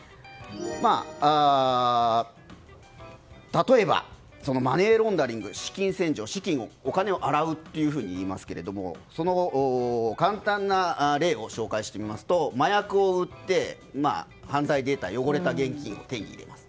例えば、マネーロンダリング資金洗浄資金、お金を洗うというふうに言いますがその簡単な例を紹介してみますと麻薬を売って汚れた現金を手に入れます。